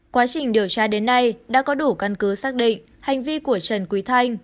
quá trình điều tra đến nay đã có đủ căn cứ xác định hành vi của trần quý thanh